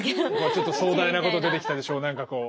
ちょっと壮大なこと出てきたでしょう。